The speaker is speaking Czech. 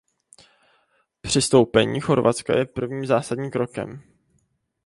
Přistoupení Chorvatska je prvním zásadním krokem.